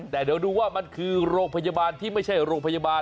แต่เดี๋ยวดูว่ามันคือโรงพยาบาลที่ไม่ใช่โรงพยาบาล